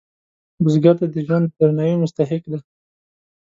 بزګر ته د ژوند د درناوي مستحق دی